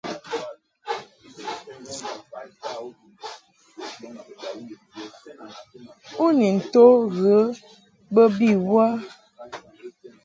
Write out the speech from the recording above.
U ni nto ghə bə bi wə ?